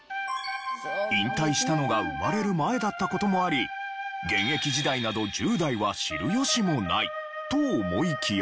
引退したのが生まれる前だった事もあり現役時代など１０代は知る由もないと思いきや。